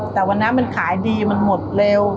แต่วันนั้นมันขายดีมันหมดเร็ว